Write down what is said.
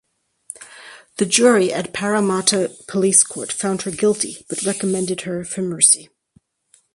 The jury at Parramatta Police Court found her guilty but recommended her for mercy.